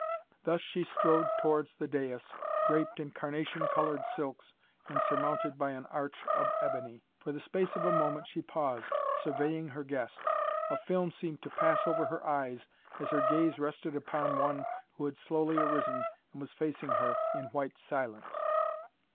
Thus she strode towards the dais, draped in carnation colored silks and surmounted by an arch of ebony. For the space of a moment she paused, surveying her guests. A film seemed to pass over her eyes as her gaze rested upon one who had slowly arisen and was facing her in white silence.